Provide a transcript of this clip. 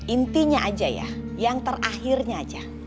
intinya aja ya yang terakhirnya aja